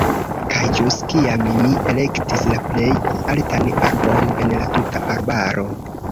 Kaj ĵus kiam mi elektis la plej altan arbon en la tuta arbaro.